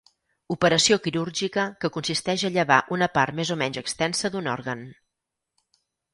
Operació quirúrgica que consisteix a llevar una part més o menys extensa d'un òrgan.